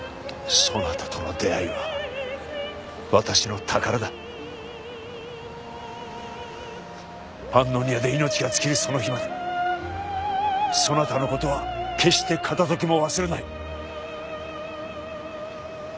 そなたとの出会いは私の宝だパンノニアで命が尽きるその日までそなたのことは決して片時も忘れない